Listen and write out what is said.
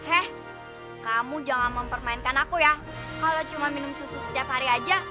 he kamu jangan mempermainkan aku ya kalau cuma minum susu setiap hari aja